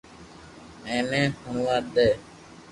ايني ھڻوا دي